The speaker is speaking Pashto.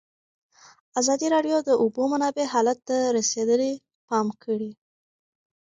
ازادي راډیو د د اوبو منابع حالت ته رسېدلي پام کړی.